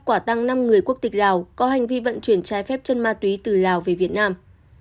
quả tăng năm người quốc tịch lào có hành vi vận chuyển trái phép chân ma túy từ lào về việt nam